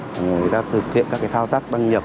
để người ta thực hiện các thao tác đăng nhập